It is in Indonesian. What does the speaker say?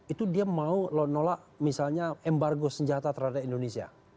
itu dia mau nolak misalnya embargo senjata terhadap indonesia